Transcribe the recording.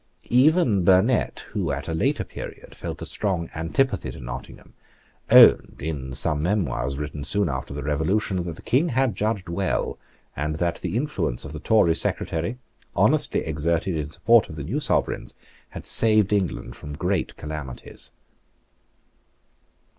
Even Burnet, who at a later period felt a strong antipathy to Nottingham, owned, in some memoirs written soon after the Revolution, that the King had judged well, and that the influence of the Tory Secretary, honestly exerted in support of the new Sovereigns, had saved England from great calamities.